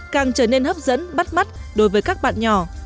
càng trở nên hấp dẫn bắt mắt đối với các bạn nhỏ